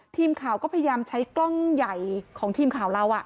ทีมข่าวก็พยายามใช้กล้องใหญ่ของทีมข่าวเรา